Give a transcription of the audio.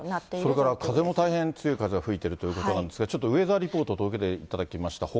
それから風も大変強い風が吹いているということなんですが、ちょっとウェザーリポート届けていただきました。